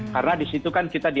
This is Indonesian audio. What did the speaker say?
karena disitu kan kita diantarakan